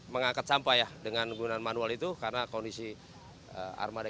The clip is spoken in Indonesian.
mengangkat sampah ya dengan menggunakan manual itu karena kondisi armada